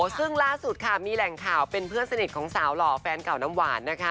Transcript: ซึ่งล่าสุดค่ะมีแหล่งข่าวเป็นเพื่อนสนิทของสาวหล่อแฟนเก่าน้ำหวานนะคะ